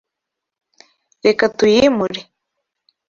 Reka tuyimure.